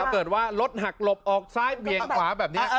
เกิดว่ารถหักหลบออกซ้ายเวียงขวาแบบนี้